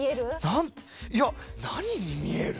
ないや何に見える？